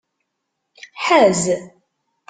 Ḥaz.